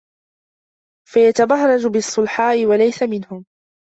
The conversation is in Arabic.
فَيَتَبَهْرَجَ بِالصُّلَحَاءِ وَلَيْسَ مِنْهُمْ